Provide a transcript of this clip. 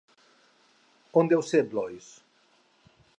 On deu ser, Blois?